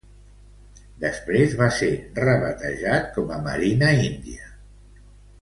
Després va ser rebatejat com a Marina Índia.